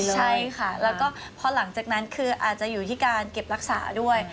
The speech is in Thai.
ใช่ค่ะแล้วก็พอหลังจากนั้นคืออาจจะอยู่ที่การเก็บรักษาด้วย